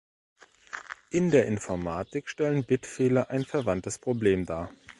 In der Informatik stellen Bitfehler ein verwandtes Problem dar.